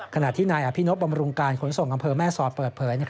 ขณะที่นายอภินบำรุงการขนส่งอำเภอแม่สอดเปิดเผย